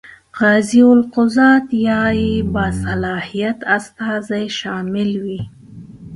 قاضي القضات یا یې باصلاحیت استازی شامل وي.